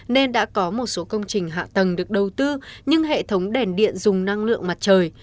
nên đã có một số công trình hạ tầng được đầu tư nhưng hệ thống đèn điện dùng năng lượng mặt trời